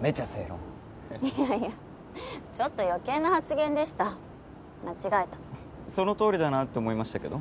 めちゃ正論いやいやちょっと余計な発言でした間違えたそのとおりだなと思いましたけど